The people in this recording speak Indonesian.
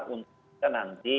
untuk kita nanti